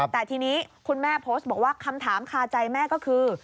แต่ทีนี้คุณแม่โพสต์บอกว่าคำถามคาใจแม่ก็คือ